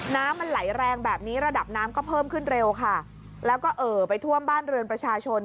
น้ำมันไหลแรงแบบนี้ระดับน้ำก็เพิ่มขึ้นเร็วค่ะแล้วก็เอ่อไปท่วมบ้านเรือนประชาชน